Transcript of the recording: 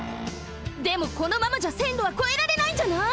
でもこのままじゃせんろはこえられないんじゃない？